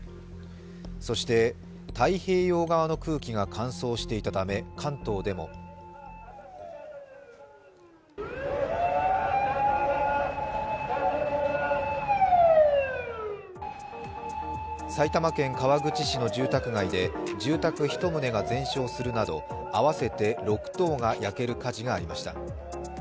そして太平洋側の空気が乾燥していたため、関東でも埼玉県川口市の住宅街で住宅１棟が全焼するなど合わせて６棟が焼ける火事がありました。